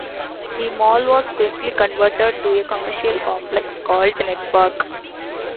The mall was quickly converted to a commercial complex called Netpark.